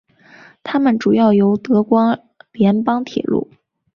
它们主要由德国联邦铁路。